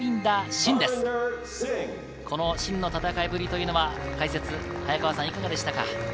シンの戦いぶりというのは解説・早川さん、いかがでしたか？